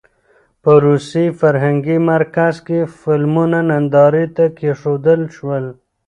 په روسي فرهنګي مرکز کې فلمونه نندارې ته کېښودل شول.